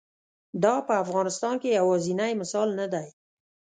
دا په افغانستان کې یوازینی مثال نه دی.